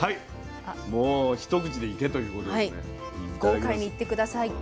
豪快にいって下さい。